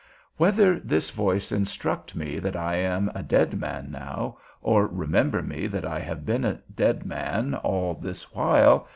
Whether this voice instruct me that I am a dead man now, or remember me that I have been a dead man all this while.